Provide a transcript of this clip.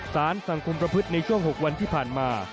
สังคมประพฤติในช่วง๖วันที่ผ่านมา